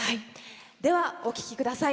では、お聴きください。